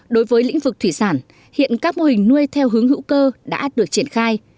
đối với lĩnh vực thủy sản hiện các mô hình nuôi theo hướng hữu cơ đã được triển khai